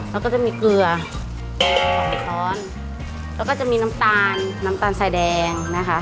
แล้วก็จะมีเกลือแกงสองตอนแล้วก็จะมีน้ำตาลน้ำตาลสายแดงนะคะ